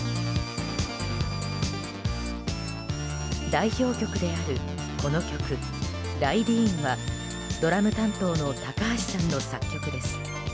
代表曲である、この曲「ライディーン」はドラム担当の高橋さんの作曲です。